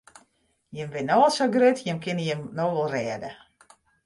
Jimme binne no al sa grut, jimme kinne jim no wol rêde.